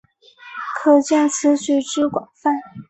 可见此曲之广泛。